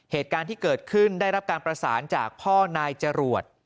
เหตุการณ์ที่เกิดขึ้นได้รับการประสานจากพ่อนายจรวด